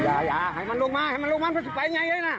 อย่าอย่าให้มันลงมาให้มันลงมามันคงจะไปไหนเย็นน่ะ